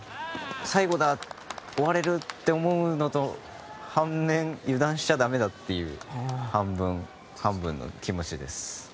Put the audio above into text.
最後だ、終われるって思う半面油断しちゃ駄目だという半分半分の気持ちです。